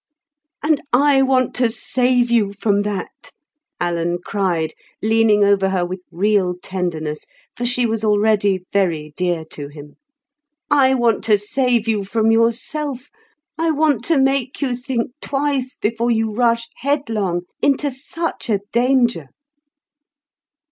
"And I want to save you from that," Alan cried, leaning over her with real tenderness, for she was already very dear to him. "I want to save you from yourself; I want to make you think twice before you rush headlong into such a danger."